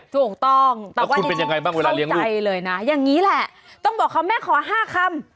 ถูกต้องแต่ว่าในจริงเข้าใจเลยนะอย่างนี้แหละต้องบอกเขาแม่ขอ๕คำ